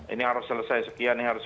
ini harus selesai sekian ini harus